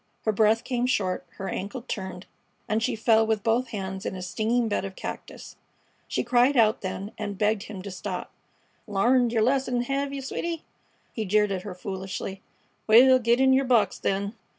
Her breath came short, her ankle turned, and she fell with both hands in a stinging bed of cactus. She cried out then and begged him to stop. "L'arned yer lesson, hev yeh, sweety?" he jeered at her, foolishly. "Well, get in yer box, then."